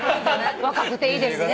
若くていいですね。